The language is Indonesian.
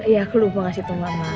ya aku lupa kasih itu mama